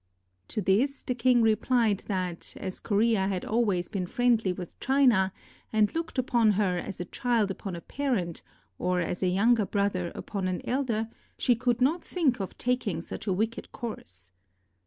To this the king replied that, as Korea had always been friendly with China, and looked upon her as a child upon a parent or as a younger brother upon an elder, she could not think of taking such a wicked course.